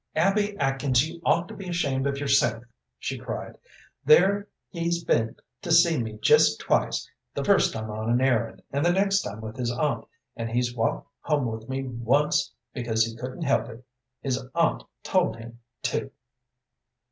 "Abby Atkins, you ought to be ashamed of yourself!" she cried. "There he's been to see me just twice, the first time on an errand, and the next with his aunt, and he's walked home with me once because he couldn't help it; his aunt told him to!"